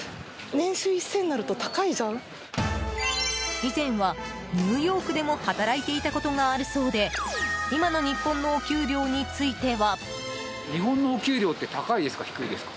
以前はニューヨークでも働いていたことがあるそうで今の日本のお給料については。